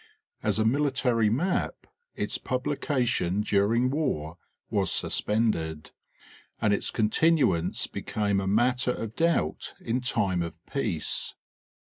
As a military map its publication during war was suspended, and its continuance be came a matter of doubt in time of peace.